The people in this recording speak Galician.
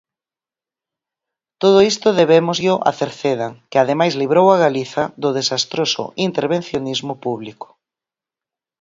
Todo isto debémosllo a Cerceda, que ademais librou a Galiza do desastroso intervencionismo público.